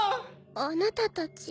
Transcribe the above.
あなたたち。